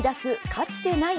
かつてない